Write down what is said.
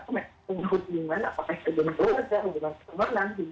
mbak cassandra itu mengenal korban atau mengenal korban